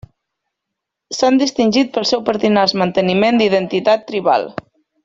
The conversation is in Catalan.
S'han distingit pel seu pertinaç manteniment d'identitat tribal.